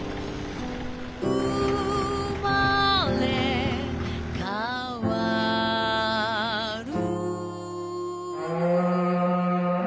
「うまれかわる」